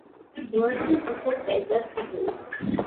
ورزش د خوب کیفیت ښه کوي.